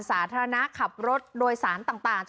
สาธารณะขับรถโดยสารต่าง